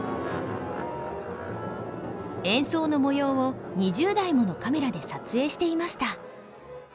演奏の模様を２０台ものカメラで撮影していました。